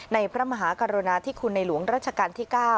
พระมหากรุณาธิคุณในหลวงรัชกาลที่๙